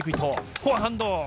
フォアハンド！